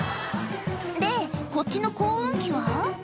で、こっちの耕うん機は？